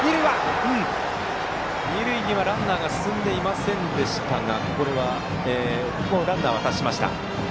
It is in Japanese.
二塁にはランナーが進んでいませんでしたがランナーはホームに達しました。